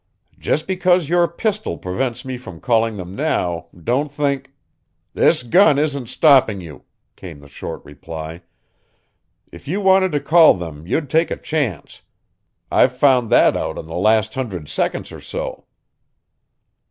"Just because your pistol prevents me from calling them now, don't think" "This gun isn't stopping you," came the short reply. "If you wanted to call them you'd take a chance I've found that out in the last hundred seconds or so."